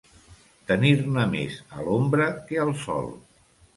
Tenir-ne més a l'ombra que al sol.